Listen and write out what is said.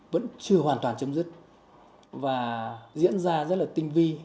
vẫn chưa hoàn toàn chấm dứt và diễn ra rất là tinh vi